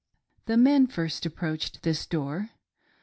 The men first approached this door.